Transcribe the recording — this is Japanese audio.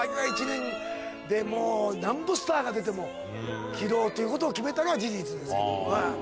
もうなんぼスターが出ても切ろうということを決めたのは事実ですけど。